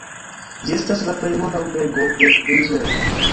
Ĝi estas la plej norda urbego de Venezuelo.